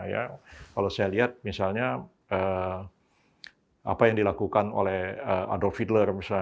kalau saya lihat misalnya apa yang dilakukan oleh adle feedler misalnya